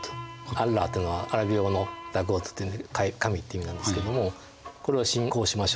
アッラーっていうのはアラビア語のＴｈｅＧｏｄという神って意味なんですけどもこれを信仰しましょう。